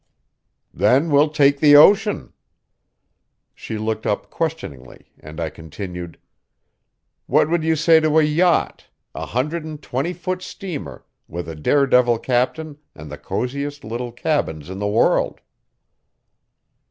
"Then we'll take the ocean." She looked up questioningly, and I continued: "What would you say to a yacht a hundred and twenty foot steamer, with a daredevil captain and the coziest little cabins in the world?"